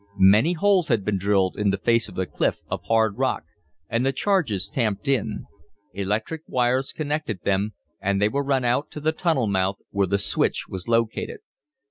Many holes had been drilled in the face of the cliff of hard rock, and the charges tamped in. Electric wires connected them, and they were run out to the tunnel mouth where the switch was located.